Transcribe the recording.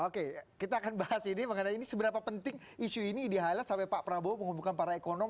oke kita akan bahas ini mengenai ini seberapa penting isu ini di highlight sampai pak prabowo mengumpulkan para ekonom